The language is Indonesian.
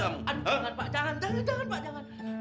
jangan pak jangan jangan pak jangan